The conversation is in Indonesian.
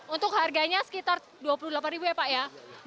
untuk harganya sekitar dua puluh delapan ribu ya pak ya